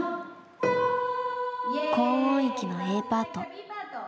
高音域のＡパート。